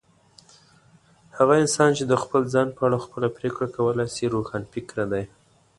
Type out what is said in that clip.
هغه انسان چي د خپل ځان په اړه خپله پرېکړه کولای سي، روښانفکره دی.